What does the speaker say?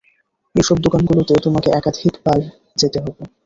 এইসব দোকানগুলোতে তোমাকে একাধিকবার যেতে হবে।